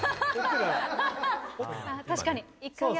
確かに。